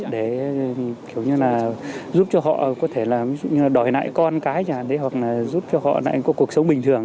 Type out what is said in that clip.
để giúp cho họ đòi nại con cái giúp cho họ có cuộc sống bình thường